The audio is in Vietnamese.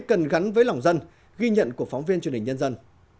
cần gắn với lòng dân ghi nhận của phóng viên truyền hình nhân dân